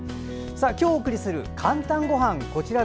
今日お送りする「かんたんごはん」